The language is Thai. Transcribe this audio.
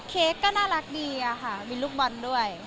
เค้กก็น่ารักดีอะค่ะมีลูกบอลด้วย